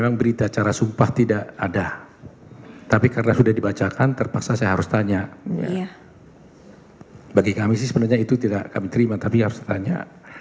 bagi kami sih sebenarnya itu tidak kami terima tapi harus ditanya